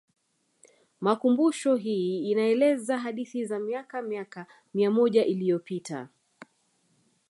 Makumbusho hii inaeleza hadithi za miaka miaka mia moja iliyopita